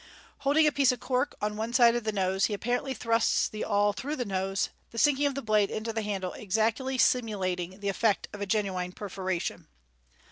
Holding a piece of cork on one side of the nose, he apparently thrusts the awl through the nose, the sinking of the blade into the handle exactly simulating the effect of a genuine perforation.